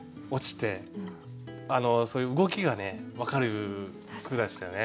そういう動きがね分かる句でしたね。